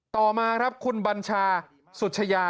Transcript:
ต่อมาครับคุณบัญชาสุชยา